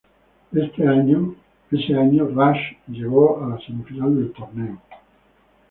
Ese año Rasch llegó a la semifinal del torneo.